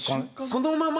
そのまま？